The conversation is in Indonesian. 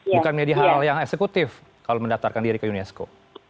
bukan menjadi hal hal yang eksekutif kalau mendaftarkan diri ke unesco